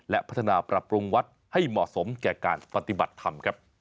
และพัฒนาปรับปรุงวัดให้เหมาะสมแก่การปฏิบัติธรรมครับ